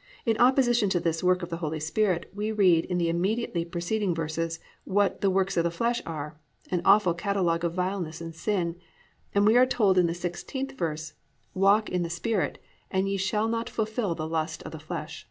"+ In opposition to this work of the Holy Spirit, we read in the immediately preceding verses what "the works of the flesh" are, an awful catalogue of vileness and sin, and we are told in the 16th verse, +"Walk in the Spirit and ye shall not fulfil the lust of the flesh."